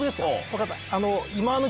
わかった。